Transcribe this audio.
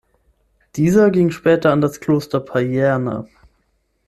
Dieser ging später an das Kloster Payerne.